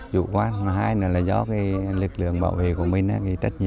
chủ quán thứ hai là do lực lượng bảo vệ của mình